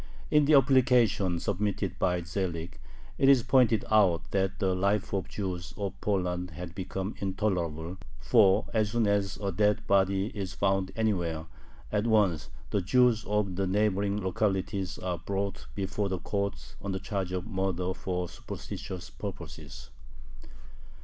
In the application submitted by Zelig it is pointed out that the life of the Jews of Poland had become intolerable, for "as soon as a dead body is found anywhere, at once the Jews of the neighboring localities are brought before the courts on the charge of murder for superstitious purposes."